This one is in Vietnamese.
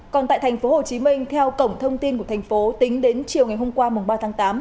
còn tại thành phố hồ chí minh theo cổng thông tin của thành phố tính đến chiều ngày hôm qua ba tháng tám